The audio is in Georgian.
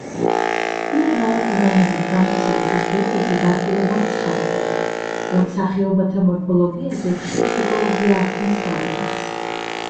ბიომრავალფეროვნებით გამორჩეულ სახეობებზე დაკვირვებამ ცხადყო, რომ სახეობათა მორფოლოგიაზე ხშირად ეკოლოგია ახდენს გავლენას.